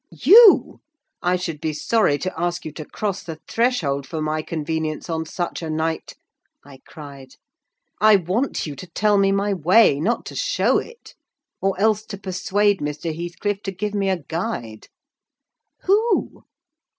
"You! I should be sorry to ask you to cross the threshold, for my convenience, on such a night," I cried. "I want you to tell me my way, not to show it: or else to persuade Mr. Heathcliff to give me a guide." "Who?